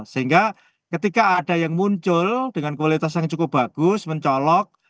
sehingga ketika ada yang muncul dengan kualitas yang cukup bagus mencolok